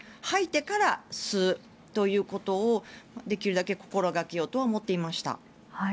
吐いてから吸うということをできるだけ心掛けようとは思っていました。